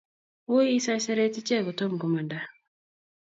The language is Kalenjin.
Wui isaiseret ichek kotoma komanda